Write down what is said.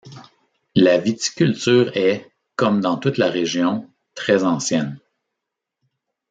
La viticulture est, comme dans toute la région, très ancienne.